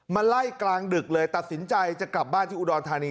มาไล่กลางดึกเลยตัดสินใจจะกลับบ้านที่อุดรธานี